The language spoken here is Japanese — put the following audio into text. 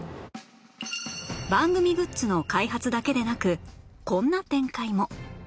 番組グッズの開発だけでなくこんな展開も